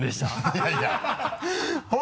いやいや